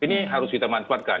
ini harus kita manfaatkan